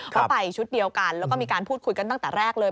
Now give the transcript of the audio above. ก็ไปชุดเดียวกันแล้วก็มีการพูดคุยกันตั้งแต่แรกเลย